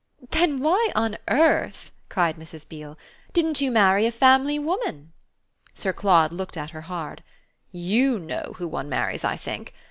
"Then why on earth," cried Mrs. Beale, "didn't you marry a family woman?" Sir Claude looked at her hard. "YOU know who one marries, I think.